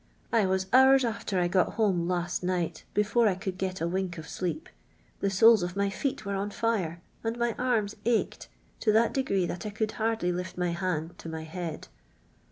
I was hours after I got home last niirht before I could get a wink of sleep: the S(des of my feet were on lire, and my arms ached to that doiifee that I could hardly lift m\' hand to my h> ad.